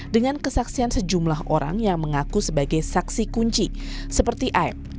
dengan kesaksian sejumlah orang yang mengaku sebagai saksi kunci seperti aib